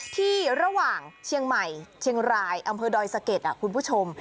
ที่ระหว่างเชียงใหม่เชียงรายอำเภอดอยสะเก็ดคุณผู้ชม